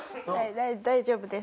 大丈夫です。